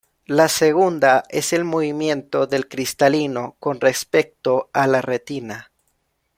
La segunda es el movimiento del cristalino con respecto a la retina.